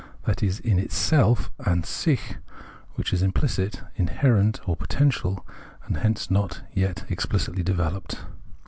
That is "in itself" (an sich), which is implicit, inherent or potential, and hence not yet explicitly developed.